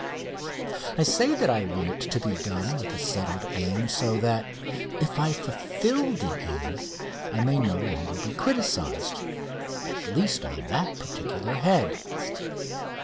I say that I want it to be done with a settled aim, so that, if I fulfil the aim, I may no longer be criticised, at least on that particular head.